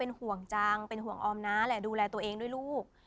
เป็นห่วงออมนะดูแลตัวเองด้วยลูก